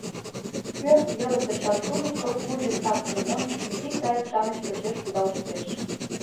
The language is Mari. Пӧрт йырысе шаршудышто пудель Артемон изи кайык-шамыч почеш кудалыштеш.